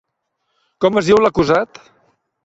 Com es diu l'acusat?